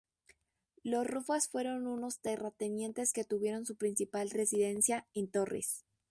Los Rufas fueron unos terratenientes que tuvieron su principal residencia en Torres.